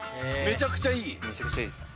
めちゃくちゃいいです。